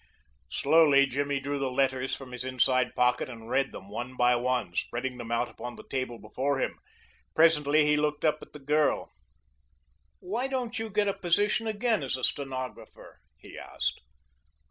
Slowly Jimmy drew the letters from his inside pocket and read them one by one, spreading them out upon the table before him. Presently he looked up at the girl. "Why don't you get a position again as a stenographer?" he asked.